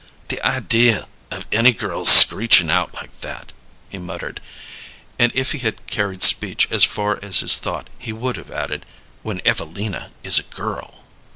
"The idea of any girl screeching out like that," he muttered. And if he had carried speech as far as his thought, he would have added, "when Evelina is a girl!"